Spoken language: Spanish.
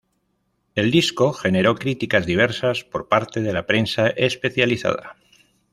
El disco generó críticas diversas por parte de la prensa especializada.